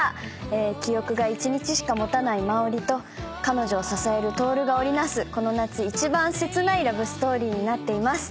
記憶が１日しか持たない真織と彼女を支える透が織り成すこの夏一番切ないラブストーリーになっています。